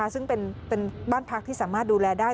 ซึ่งเป็นบ้านพักที่สามารถดูแลได้